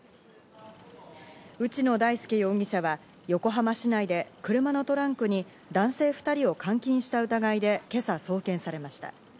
内野大輔容疑者は横浜市内で車のトランクに男性２人を監禁した疑いで今朝送検されました。